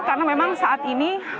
karena memang saat ini